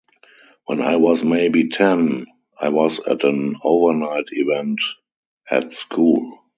When I was maybe ten, I was at an overnight event at school.